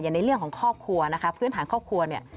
ในเรื่องของครอบครัวนะคะพื้นฐานครอบครัวเนี่ย